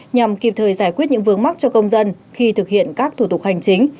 nhằm kịp thời giải quyết những vướng mắc cho công dân khi thực hiện các thủ tục hành chính